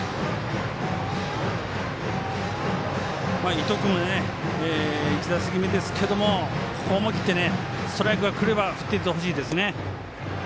伊藤君も１打席目ですがここ思い切ってストライクがくれば振っていってほしいですね。